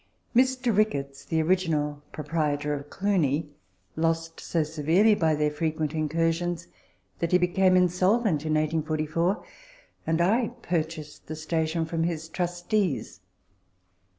Mr. Ricketts, the original proprietor of " Clunie," lost so severely by their frequent incursions that he became insolvent in Letters from Victorian Pioneers. 1G5 1844, and I purchased the station from his trustees.